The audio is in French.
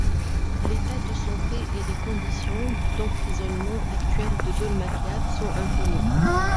L’état de santé et les conditions d’emprisonnement actuels de Dolma Kyab sont inconnus.